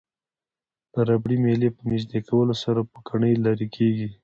د ربړي میلې په نژدې کولو سره پوکڼۍ لرې کیږي.